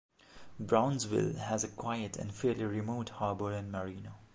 Brownsville has a quiet and fairly remote harbor and marina.